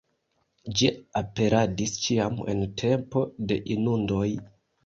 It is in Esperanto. Ĝi aperadis ĉiam en tempo de inundoj.